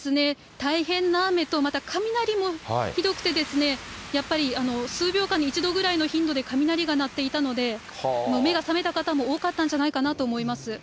大変な雨と、また雷もひどくて、やっぱり数秒間に一度くらいの頻度で雷が鳴っていたので、目が覚めた方も多かったんじゃないかなと思います。